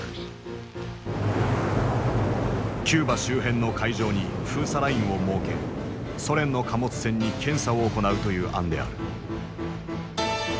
キューバ周辺の海上に封鎖ラインを設けソ連の貨物船に検査を行うという案である。